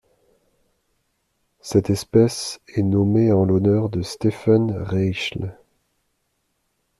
Cette espèce est nommée en l'honneur de Steffen Reichle.